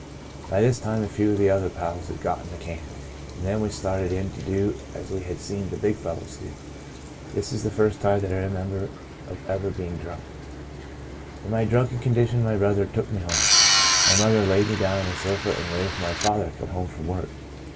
By this time a few of the other pals had got a can, and then we started in to do as we had seen the ' big fellows ' do. That is the first time that I remember of ever being drunk. " In my drunken condition my brother took me home. My mother laid me down on the sofa, and waited for my father to come home from work.